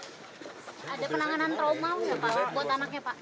ada penanganan trauma buat anaknya pak